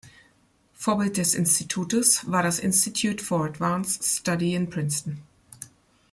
Vorbild des Institutes war das Institute for Advanced Study in Princeton.